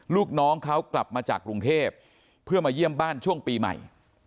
ลูกน้องเขากลับมาจากกรุงเทพเพื่อมาเยี่ยมบ้านช่วงปีใหม่